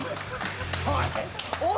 おい！